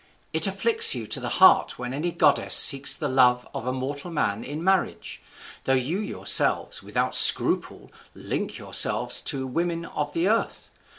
It afflicts you to the heart when any goddess seeks the love of a mortal man in marriage, though you yourselves without scruple link yourselves to women of the earth.